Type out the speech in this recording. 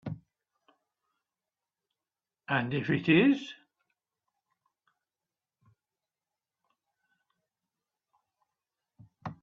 And if it is?